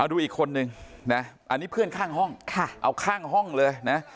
ดูอีกคนนึงนะอันนี้เพื่อนข้างห้องเอาข้างห้องเลยนะ